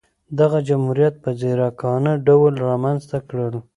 دغه جمهوریت په ځیرکانه ډول رامنځته کړل.